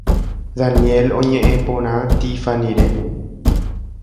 Daniel oñe’ẽ porã Tiffanyre.